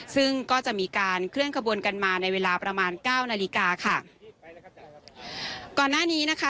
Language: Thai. ซึ่งก็จะมีการเคลื่อนขบวนกันมาในเวลาประมาณเก้านาฬิกาค่ะก่อนหน้านี้นะคะ